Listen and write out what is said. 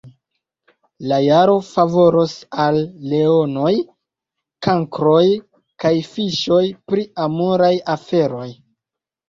La jaro favoros al Leonoj, Kankroj kaj Fiŝoj pri amoraj aferoj.